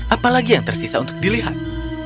apalagi yang tersisa untuk dilihat